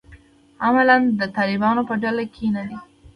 عملاً د طالبانو په ډله کې نه دي.